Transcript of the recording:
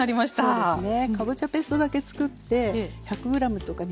そうですね。